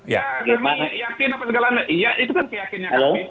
ya itu kan keyakinan kak pipin